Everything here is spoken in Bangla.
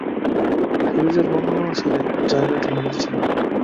ফিরোজের বর্ণনা অনুসারে জায়গাটা নির্জন।